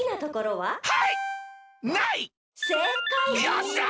よっしゃ！